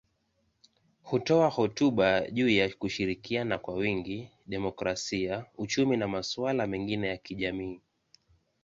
Hutoa hotuba juu ya kushirikiana kwa wingi, demokrasia, uchumi na masuala mengine ya kijamii.